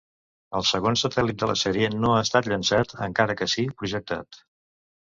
El segon satèl·lit de la sèrie no ha estat llançat, encara que sí projectat.